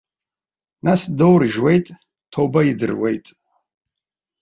Нас даурыжьуеит, ҭоуба идыруеит.